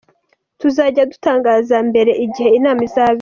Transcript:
Tuzajya dutangaza mbere igihe inama izabera.